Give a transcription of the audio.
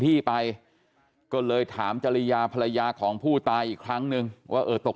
ที่ไปก็เลยถามจริยาภรรยาของผู้ตายอีกครั้งนึงว่าเออตก